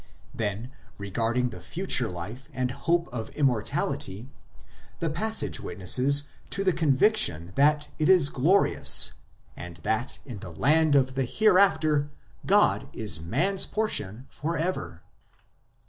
Then, regarding the future life and hope of Immortality, the passage witnesses to the conviction that it is glorious, and that in the land of the Hereafter God is man s portion for ever.